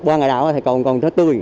qua ngày đầu thì còn rất tươi